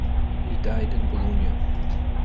He died in Bologna.